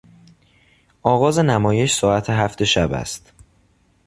آغاز نمایش ساعت هفت شب است.